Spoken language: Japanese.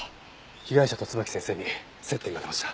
被害者と椿木先生に接点が出ました。